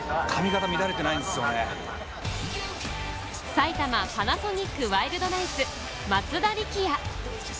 埼玉パナソニックワイルドナイツ・松田力也。